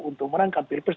untuk menangkap pilpres